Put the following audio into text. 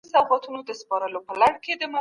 موږ به په راتلونکي کي له ولس سره مرسته وکړو.